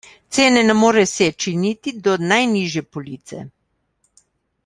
Cene ne more seči niti do najnižje police.